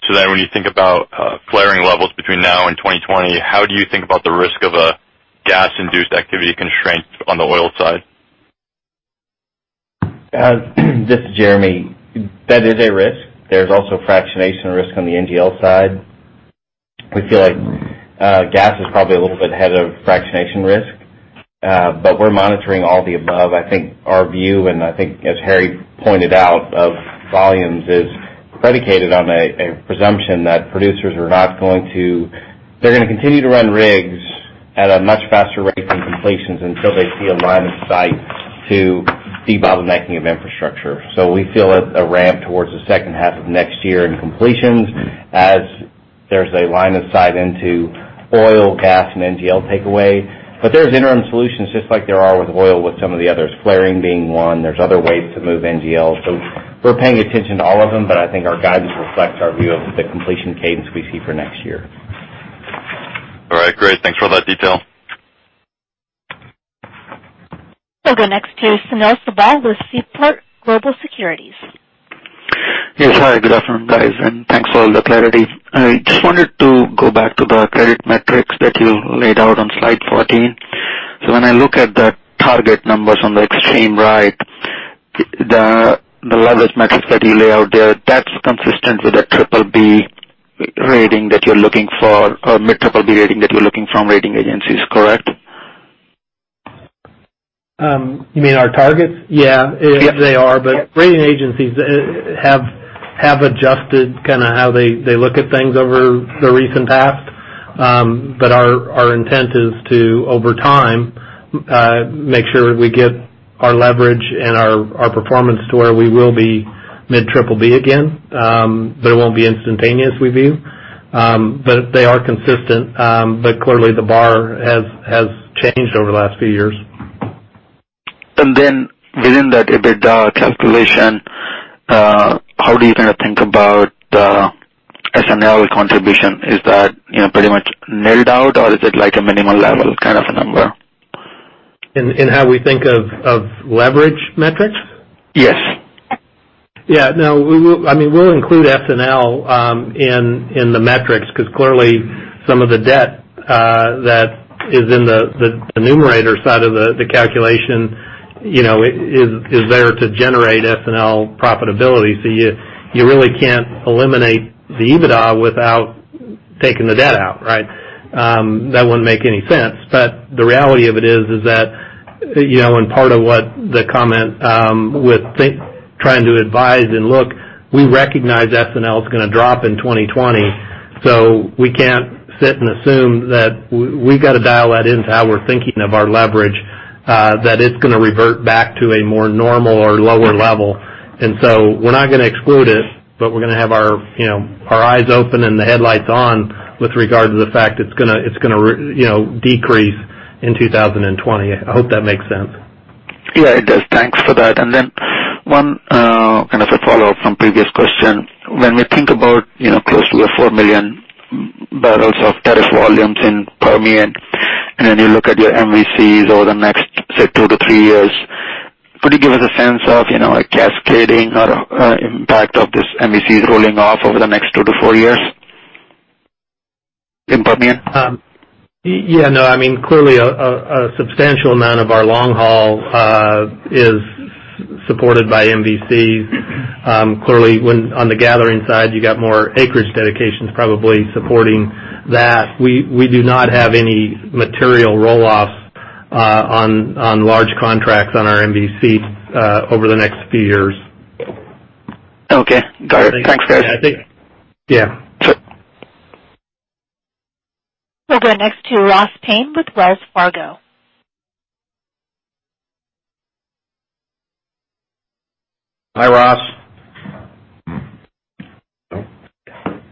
When you think about flaring levels between now and 2020, how do you think about the risk of a gas-induced activity constraint on the oil side? This is Jeremy. That is a risk. There's also fractionation risk on the NGL side. We feel like gas is probably a little bit ahead of fractionation risk, but we're monitoring all the above. I think our view, and I think as Harry pointed out, of volumes is predicated on a presumption that producers are going to continue to run rigs at a much faster rate than completions until they see a line of sight to debottlenecking of infrastructure. We feel a ramp towards the second half of next year in completions as there's a line of sight into oil, gas, and NGL takeaway. There's interim solutions, just like there are with oil, with some of the others. Flaring being one. There's other ways to move NGL. We're paying attention to all of them, but I think our guidance reflects our view of the completion cadence we see for next year. All right, great. Thanks for that detail. We'll go next to Sunil Sibal with Seaport Global Securities. Yes. Hi, good afternoon, guys, and thanks for all the clarity. I just wanted to go back to the credit metrics that you laid out on slide 14. When I look at the target numbers on the extreme right, the leverage metrics that you lay out there, that's consistent with a BBB rating that you're looking for, or mid BBB rating that you're looking from rating agencies, correct? You mean our targets? Yeah. Yep. They are. Rating agencies have adjusted how they look at things over the recent past. Our intent is to, over time, make sure we get our leverage and our performance to where we will be mid BBB again. It won't be instantaneous, we view. They are consistent. Clearly, the bar has changed over the last few years. Within that EBITDA calculation, how do you kind of think about the S&L contribution? Is that pretty much nailed out, or is it like a minimal level kind of a number? In how we think of leverage metrics? Yes. No, we'll include S&L in the metrics because clearly some of the debt that is in the numerator side of the calculation is there to generate S&L profitability. You really can't eliminate the EBITDA without taking the debt out, right? That wouldn't make any sense. The reality of it is that, and part of what the comment with trying to advise and look, we recognize S&L is going to drop in 2020, so we can't sit and assume that we've got to dial that into how we're thinking of our leverage that it's going to revert back to a more normal or lower level. We're not going to exclude it, but we're going to have our eyes open and the headlights on with regard to the fact it's going to decrease in 2020. I hope that makes sense. It does. Thanks for that. Then one kind of a follow-up from previous question. When we think about close to the 4 million barrels of tariff volumes in Permian, and then you look at your MVCs over the next, say, 2-3 years, could you give us a sense of a cascading or impact of this MVC rolling off over the next 2-4 years in Permian? No, clearly, a substantial amount of our long haul is supported by MVC. Clearly, on the gathering side, you got more acreage dedications probably supporting that. We do not have any material roll-offs on large contracts on our MVC over the next few years. Okay. Got it. Thanks, guys. Yeah. We'll go next to Ross Payne with RBC Capital Markets. Hi, Ross.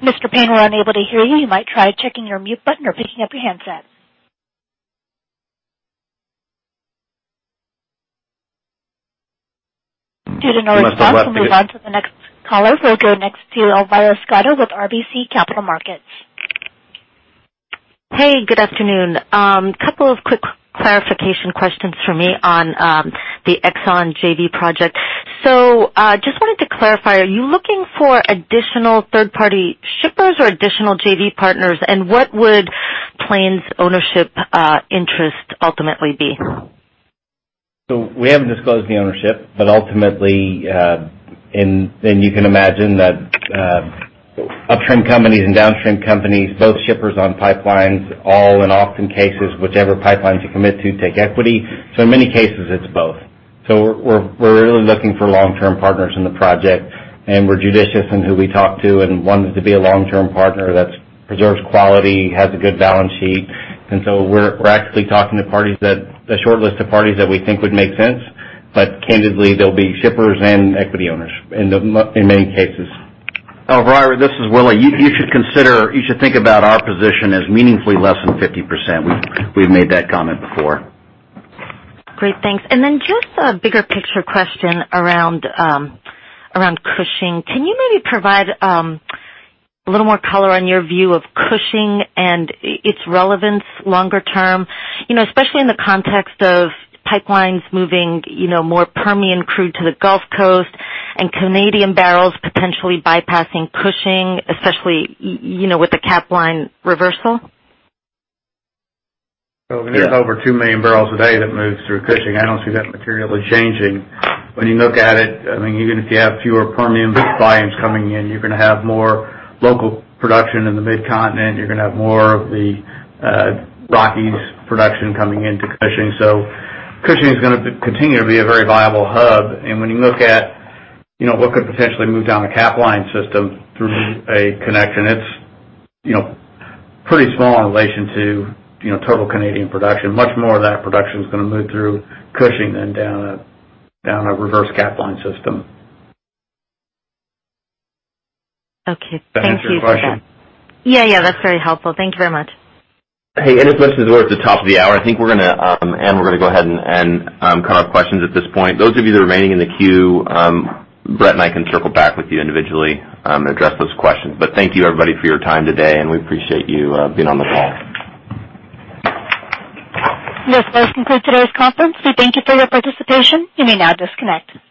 Mr. Paine, we're unable to hear you. You might try checking your mute button or picking up your handset. Due to no response, we'll move on to the next caller. We'll go next to Elvira Scotto with RBC Capital Markets. Hey, good afternoon. Couple of quick clarification questions from me on the Exxon JV project. Just wanted to clarify, are you looking for additional third-party shippers or additional JV partners, and what would Plains' ownership interest ultimately be? We haven't disclosed the ownership, but ultimately, you can imagine that upstream companies and downstream companies, both shippers on pipelines, all in often cases, whichever pipelines you commit to take equity. In many cases, it's both. We're really looking for long-term partners in the project, and we're judicious in who we talk to and one that's to be a long-term partner that preserves quality, has a good balance sheet. We're actually talking to a short list of parties that we think would make sense. Candidly, there'll be shippers and equity owners in many cases. Elvira, this is Willie. You should think about our position as meaningfully less than 50%. We've made that comment before. Great. Thanks. Just a bigger picture question around Cushing. Can you maybe provide a little more color on your view of Cushing and its relevance longer term, especially in the context of pipelines moving more Permian crude to the Gulf Coast and Canadian barrels potentially bypassing Cushing, especially with the Capline reversal? There's over 2 million barrels a day that moves through Cushing. I don't see that materially changing. When you look at it, even if you have fewer Permian volumes coming in, you're going to have more local production in the Mid-Continent. You're going to have more of the Rockies production coming into Cushing. Cushing is going to continue to be a very viable hub. When you look at what could potentially move down a Capline system through a connection, it's pretty small in relation to total Canadian production. Much more of that production is going to move through Cushing than down a reverse Capline system. Okay. Thank you for that. Does that answer your question? Yeah. That's very helpful. Thank you very much. Hey, as much as we're at the top of the hour, I think we're going to end. We're going to go ahead and cut off questions at this point. Those of you that are remaining in the queue, Brett and I can circle back with you individually and address those questions. Thank you everybody for your time today, and we appreciate you being on the call. This does conclude today's conference. We thank you for your participation. You may now disconnect.